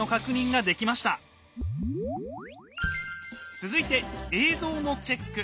続いて映像のチェック。